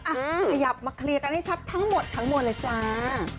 อ่ะขยับมาเคลียร์กันให้ชัดทั้งหมดทั้งมวลเลยจ้า